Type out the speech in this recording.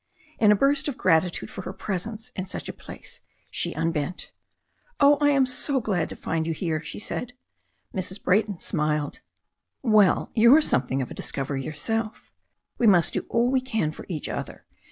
In a burst of gratitude for her presence in such a place she unbent. "Oh, I am so glad to find you here," she said. Mrs. Brayton smiled. "Well, you're something of a discovery yourself. We must do all we can for each other.